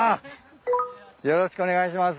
よろしくお願いします。